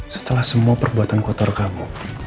setelah semua perbuatan kotor kamu